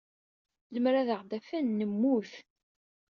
Lemmer ad aɣ-d-afen, nemmut.